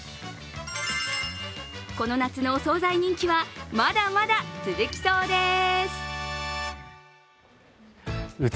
この夏のお総菜人気はまだまだ続きそうです。